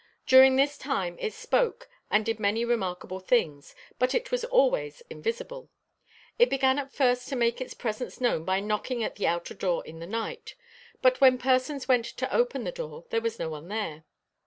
During this time it spoke, and did many remarkable things, but was always invisible. It began at first to make its presence known by knocking at the outer door in the night; but when persons went to open the door there was no one there.